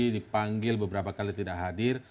dipanggil beberapa kali tidak hadir